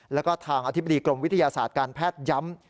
แล้วก็ทางอธิบดีกรมวิทยาศาสตร์การแพทย์ย้ำ